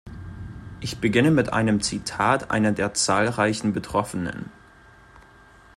Ich beginne mit einem Zitat einer der zahlreichen Betroffenen.